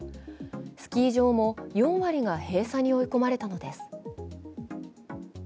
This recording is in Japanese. スキー場も４割が閉鎖に追い込まれたのです。